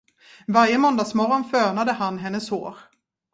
Varje måndagsmorgon fönade han hennes hår.